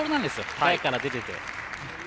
台から出てて。